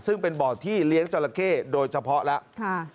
ซึ่งเป็นบอร์ดที่เลี้ยงจรแคดูยเฉพาะแล้ว